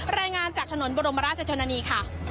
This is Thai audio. รายงานจากถนนบรมราชชนนานีค่ะ